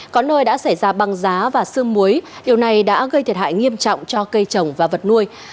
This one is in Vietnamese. có nơi đã xảy ra băng giá và sương muối điều này đã gây thiệt hại nghiêm trọng cho cây trồng và vật nuôi